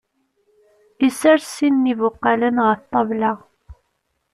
Isres sin n ibuqalen ɣef ṭṭabla.